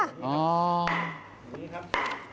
นี่ครับนี่ครับ